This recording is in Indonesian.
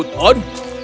terserah kau tuan